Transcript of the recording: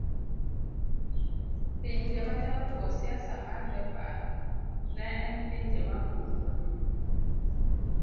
pinje mane oluwo siasa mar Bepar ne en pinje maonge wuone